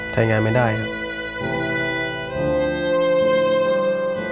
ใช้งานไม่ได้ครับ